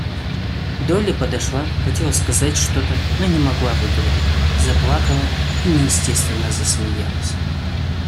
Долли подошла, хотела сказать что-то, но не могла выговорить, заплакала и неестественно засмеялась.